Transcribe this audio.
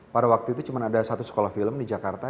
pada waktu itu cuma ada satu sekolah film di jakarta